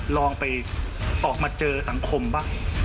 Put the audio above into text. ลองไปออกมาเจอสังคมบ้าง